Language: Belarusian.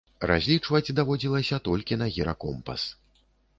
Разлічваць даводзілася толькі на гіракомпас.